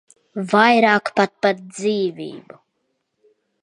Vairāk pat par dzīvību.